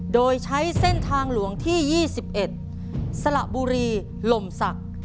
โดยใช้เส้นทางหลวงที่๒๑สละบุรีลมศักดิ์